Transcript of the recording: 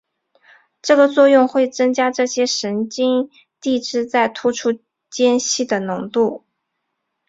这个作用会增加这些神经递质在突触间隙的浓度。